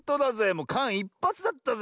もうかんいっぱつだったぜ。